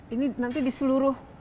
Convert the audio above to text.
ini nanti di seluruh